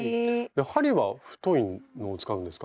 針は太いのを使うんですか？